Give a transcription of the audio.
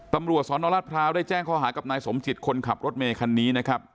ตำรวจสนรัฐพร้าวได้แจ้งข้อหากับนายสมจิตคนขับรถเมย์คันนี้นะครับ